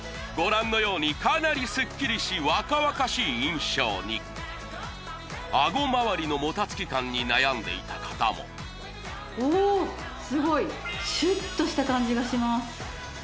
ご覧のようにかなりスッキリし若々しい印象に顎まわりのもたつき感に悩んでいた方もシュッとした感じがします